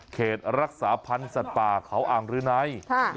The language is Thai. เขตรักษาพันธ์สัตว์ป่าเขาอ่างรืนัย